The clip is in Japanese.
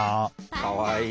かわいい。